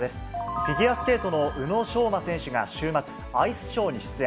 フィギュアスケートの宇野昌磨選手が週末、アイスショーに出演。